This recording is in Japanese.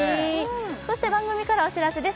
そして番組からお知らせです